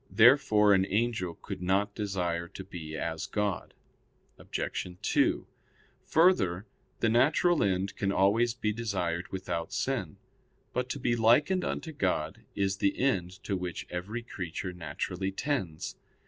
Therefore an angel could not desire to be as God. Obj. 2: Further, the natural end can always be desired without sin. But to be likened unto God is the end to which every creature naturally tends.